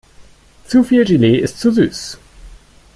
Zu viel Gelee ist zu süß.